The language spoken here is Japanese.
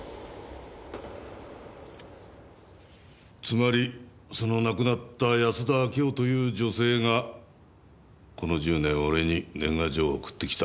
つまりその亡くなった安田明代という女性がこの１０年俺に年賀状を送ってきた。